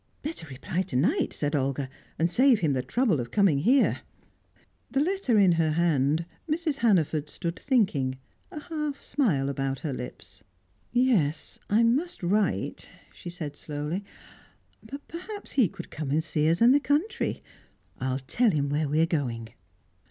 "Better reply to night," said Olga, "and save him the trouble of coming here." The letter in her hand, Mrs. Hannaford stood thinking, a half smile about her lips. "Yes; I must write," she said slowly. "But perhaps he could come and see us in the country. I'll tell him where we are going."